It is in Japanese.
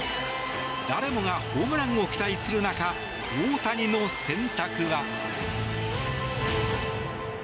誰もがホームランを期待する中大谷の選択は。